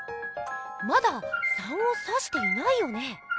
まだ「３」をさしていないよね？